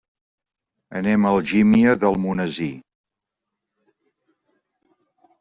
Anem a Algímia d'Almonesir.